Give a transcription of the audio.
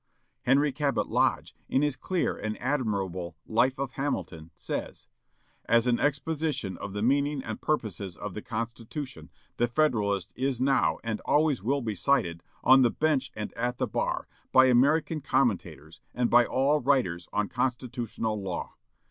Henry Cabot Lodge, in his clear and admirable "Life of Hamilton," says: "As an exposition of the meaning and purposes of the Constitution, the Federalist is now, and always will be cited, on the bench and at the bar, by American commentators, and by all writers on constitutional law.